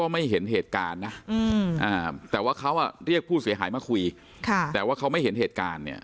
พูดเสียหายมาคุยค่ะแต่ว่าเขาไม่เห็นเหตุการณ์เนี่ย